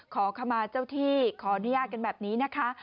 ขอขมาเจ้าที่ขออนุญาตกันแบบนี้นะคะ